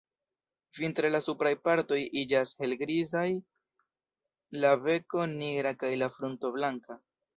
Vintre la supraj partoj iĝas helgrizaj, la beko nigra kaj la frunto blanka.